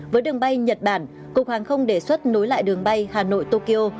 với đường bay nhật bản cục hàng không đề xuất nối lại đường bay hà nội tokyo